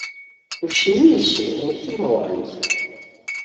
ushimishe umutima wanjye